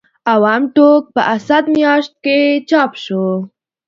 اووم ټوک په اسد میاشت کې چاپ شو.